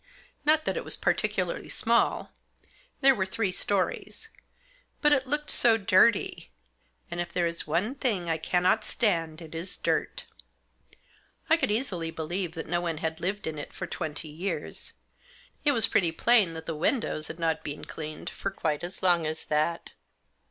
Not that it was particularly small ; there were three storeys ; but it looked so dirty. And if there is one thing I cannot stand it is dirt. I could easily believe that no one had lived in it for twenty years ; it was pretty plain that the windows had not been cleaned for quite as long as that.